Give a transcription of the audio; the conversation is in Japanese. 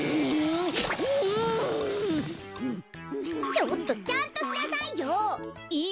ちょっとちゃんとしなさいよ。え？